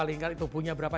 lingkar tubuhnya berapa